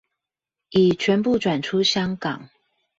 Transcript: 已全部轉出香港